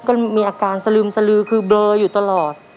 ก็มีอาการสลึมสลือคือเบลออยู่ตลอด